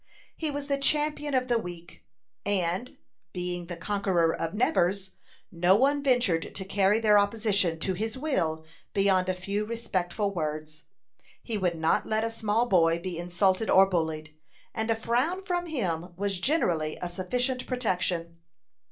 He was the champion of the weak, and, being the conqueror of Nevers, no one ventured to carry their opposition to his will beyond a few respectful words. He would not let a small boy be insulted or bullied; and a frown from him was generally a sufficient protection.